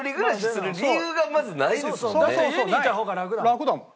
楽だもん。